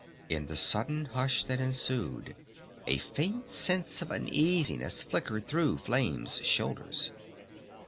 In the sudden hush that ensued a faint sense of uneasiness flickered through Flame's shoulders.